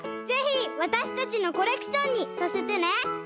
ぜひわたしたちのコレクションにさせてね。